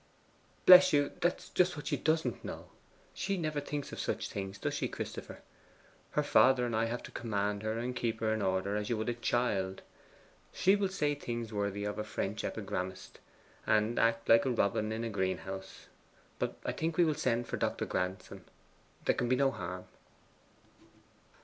'Bless you, that's just what she doesn't know. She never thinks of such things, does she, Christopher? Her father and I have to command her and keep her in order, as you would a child. She will say things worthy of a French epigrammatist, and act like a robin in a greenhouse. But I think we will send for Dr. Granson there can be no harm.